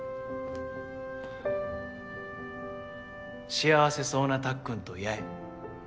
幸せそうなたっくんと八重。